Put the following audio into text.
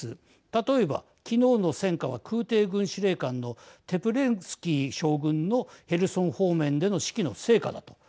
例えば昨日の戦果は空てい軍司令官のテプレンスキー将軍のヘルソン方面での指揮の成果だと。